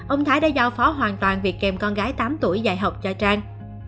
ông thái đã giao phó hoàn toàn việc kèm con gái tám tuổi dạy học cho trang